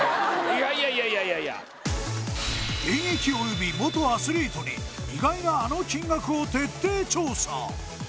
いやいや現役および元アスリートに意外なあの金額を徹底調査